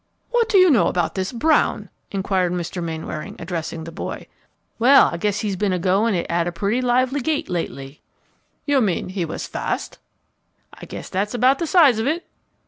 "What do you know about this Brown?" inquired Mr. Mainwaring, addressing the boy. "Wal, I guess he's ben a goin' it at a putty lively gait lately." "You mean he was fast?" "I guess that's about the size of it."